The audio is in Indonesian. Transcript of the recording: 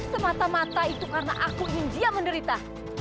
semata mata itu karena aku ingin dia menderita